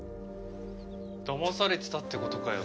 だまされてたってことかよ。